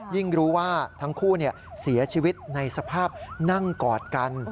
รู้ว่าทั้งคู่เสียชีวิตในสภาพนั่งกอดกัน